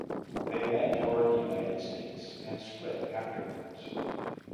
They then toured the United States and split afterwards.